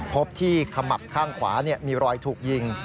พบที่ขมับข้างขวามีรอยถูกยิง